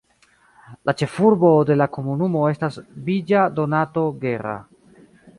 La ĉefurbo de la komunumo estas Villa Donato Guerra.